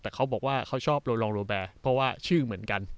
แต่เขาบอกว่าเขาชอบโลลองโรแบร์เพราะว่าชื่อเหมือนกัน